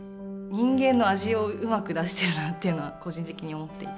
人間の味をうまく出してるなというのは個人的に思っていて。